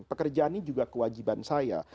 pekerjaan ini juga kewajiban saya